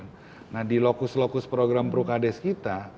nah di lokus lokus program prukades kita